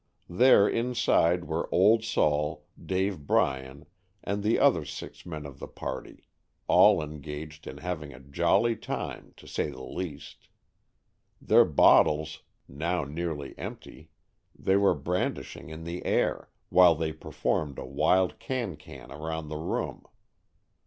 There inside were "Old Sol,'' Dave Bryan and the other six men of the party, all engaged in having a jolly time to say the least. Their bottles, now 66 Stories from the Adirondacks. nearly empty, they were brandishing in the air, while they performed a wild can can around the room.